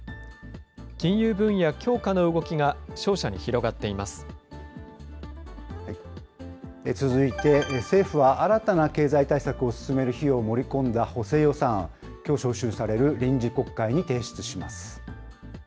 金融分野強化の動きが、商社に広続いて、政府は新たな経済対策を進める費用を盛り込んだ補正予算案をきょう召集される臨時国会に提出します。